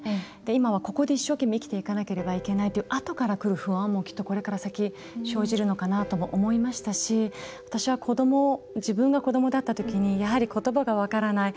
今は、ここで一生懸命生きていかなければいけないという、あとからくる不安もきっと、これから先生じるのかなとも思いましたし私は自分が子どもだったときにやはり、ことばが分からない。